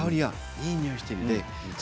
いいにおいがしています。